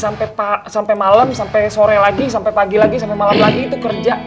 orang tukang somai dari pagi sampe malem sampe sore lagi sampe pagi lagi sampe malem lagi itu kerja